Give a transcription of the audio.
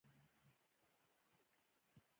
د غمـونـو او نهـيليو شـپې